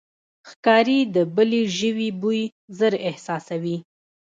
ښکاري د بلې ژوي بوی ژر احساسوي.